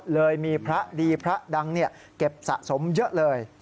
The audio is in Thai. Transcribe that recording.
เลยมีพระดีพระดังเก็บสะสมเยอะเลย